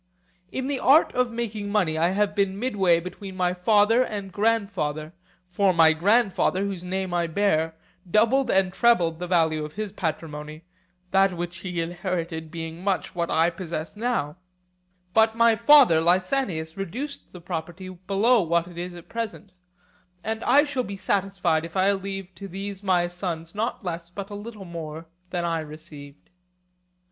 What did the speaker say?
In the art of making money I have been midway between my father and grandfather: for my grandfather, whose name I bear, doubled and trebled the value of his patrimony, that which he inherited being much what I possess now; but my father Lysanias reduced the property below what it is at present: and I shall be satisfied if I leave to these my sons not less but a little more than I received.